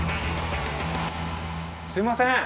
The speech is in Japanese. すいません。